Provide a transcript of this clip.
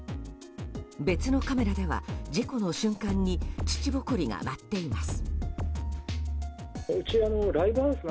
別のカメラでは、事故の瞬間に土ぼこりが舞っています。